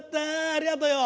ありがとよ。